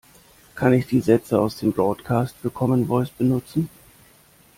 Kann ich die Sätze aus dem Bordcast für Commen Voice benutzen?